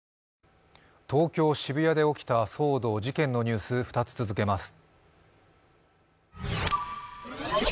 東京・渋谷で起きた騒動、事件のニュース、２つ続けます。